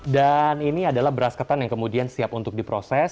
dan ini adalah beras ketan yang kemudian siap untuk diproses